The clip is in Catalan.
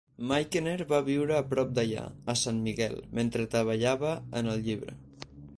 Michener va viure a prop d'allà, a San Miguel, mentre treballava en el llibre.